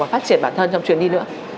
và phát triển bản thân trong chuyến đi nữa